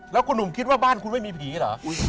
แล้วคุณหนุ่มคิดว่าบ้านคุณไม่มีผีเหรอ